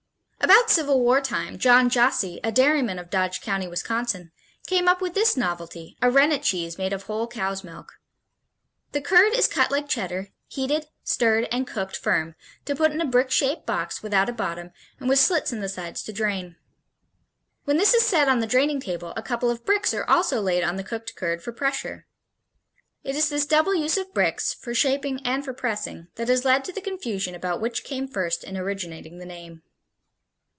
About Civil War time, John Jossi, a dairyman of Dodge County, Wisconsin, came up with this novelty, a rennet cheese made of whole cow's milk. The curd is cut like Cheddar, heated, stirred and cooked firm to put in a brick shaped box without a bottom and with slits in the sides to drain. When this is set on the draining table a couple of bricks are also laid on the cooked curd for pressure. It is this double use of bricks, for shaping and for pressing, that has led to the confusion about which came first in originating the name.